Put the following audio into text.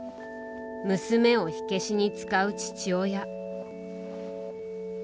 娘を火消しに使う父親。